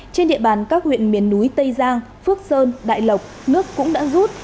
trên địa bàn các huyện miền núi tây giang phước sơn đại lộc nước cũng đã rút